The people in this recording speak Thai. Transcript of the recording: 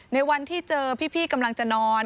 ในวันที่เจอพี่กำลังจะนอน